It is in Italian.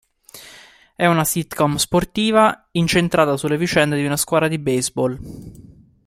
È una sitcom sportiva incentrata sulle vicende di una squadra di baseball.